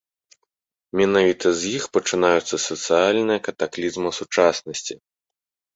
Менавіта з іх пачынаюцца сацыяльныя катаклізмы сучаснасці.